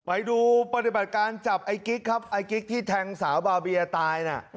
ไปดูปฏิบัติการจับไอ้กิ๊กครับไอ้กิ๊กที่แทงสาวบาเบียตายน่ะ